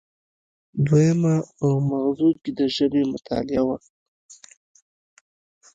دویمه په مغزو کې د ژبې مطالعه وه